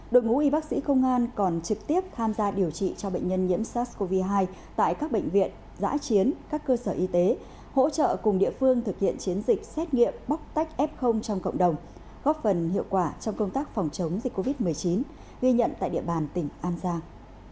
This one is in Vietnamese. đội ngũ y bác sĩ công an còn trực tiếp tham gia điều trị cho bệnh nhân nhiễm sars cov hai tại các bệnh viện giã chiến các cơ sở y tế hỗ trợ cùng địa phương thực hiện chiến dịch xét nghiệm bóc tách f trong cộng đồng góp phần hiệu quả trong công tác phòng chống dịch covid một mươi chín ghi nhận tại địa bàn tỉnh an giang